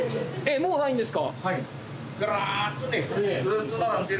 そうなんですか。